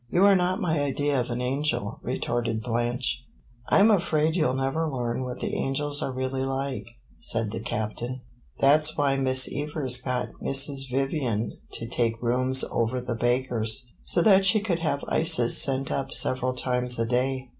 "You are not my idea of an angel," retorted Blanche. "I 'm afraid you 'll never learn what the angels are really like," said the Captain. "That 's why Miss Evers got Mrs. Vivian to take rooms over the baker's so that she could have ices sent up several times a day.